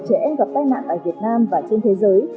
trẻ em gặp tai nạn tại việt nam và trên thế giới